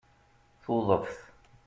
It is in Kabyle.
Tuḍeft